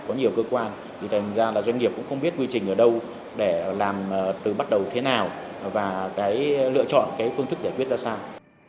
có nhiều cơ quan thì thành ra là doanh nghiệp cũng không biết quy trình ở đâu để làm từ bắt đầu thế nào và cái lựa chọn cái phương thức giải quyết ra sao